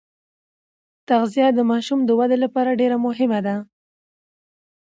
تغذیه د ماشوم د ودې لپاره ډېره مهمه ده.